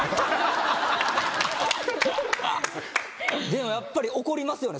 でもやっぱり怒りますよね